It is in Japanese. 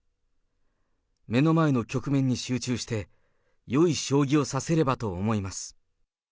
目の前の局面に集中して、よい将棋を指せればと思います。